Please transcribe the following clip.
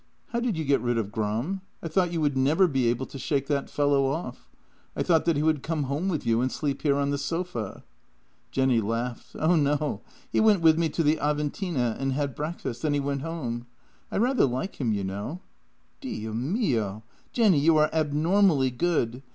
How did you get rid of Gram ? I thought you would never be able to shake that fellow off. I thought that he would come home with you and sleep here on the sofa." Jenny laughed. " Oh no! He went with me to the Aventine and had breakfast; then he went home. I rather like him, you know." " Dio mio! Jenny, you are abnormally good.